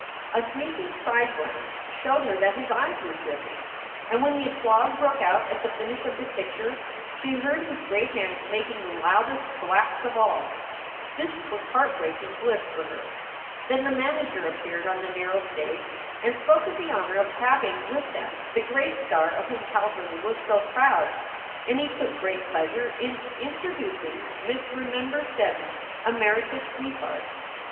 A sneaking side glance showed her that his eyes were dripping. And when the applause broke out at the finish of the picture, she heard his great hands making the loudest thwacks of all. This was heartbreaking bliss for her. Then the manager appeared on the narrow stage and spoke of the honor of having with them the great star of whom Calverly was so proud, and he took great pleasure in interdoocing Miss Remember Steddon, "America s sweet heart."